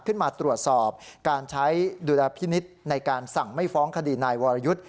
ขึ้นมาตรวจสอบการใช้ดุลพินิษฐ์ในการสั่งไม่ฟ้องคดีนายวรยุทธ์